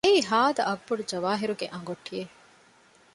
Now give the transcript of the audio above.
އެއީ ހާދަ އަގުބޮޑު ޖަވާހިރުގެ އަނގޮޓިއެއް